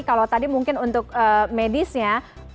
kalau tadi mungkin untuk medisnya